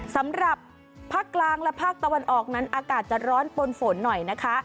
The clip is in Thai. สำหรับภาคกลางและภาคตะวันออกนั้นอากาศจะร้อนปนฝนหน่อยนะคะ